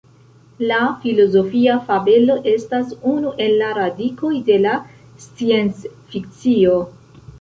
La filozofia fabelo estas unu el la "radikoj" de la sciencfikcio.